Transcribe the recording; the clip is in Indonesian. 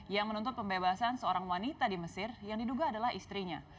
yang menuntut pembebasan seorang wanita di mesir yang diduga adalah istrinya